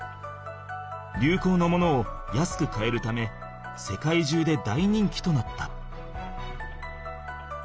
流行のものを安く買えるため世界中で大人気となった。